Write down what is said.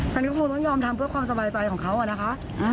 ฉันก็คงต้องยอมทำเพื่อความสบายใจของเขาอะนะคะ